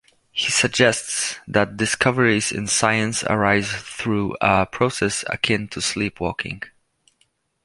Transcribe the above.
He suggests that discoveries in science arise through a process akin to sleepwalking.